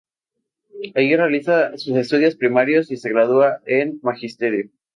Allí realiza sus estudios primarios y se gradúa en Magisterio.